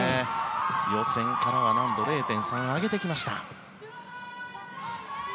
予選からは難度を０．３上げてきました。